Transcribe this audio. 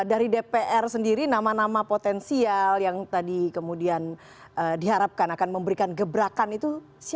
dari dpr sendiri nama nama potensial yang tadi kemudian diharapkan akan memberikan gebrakan itu siapa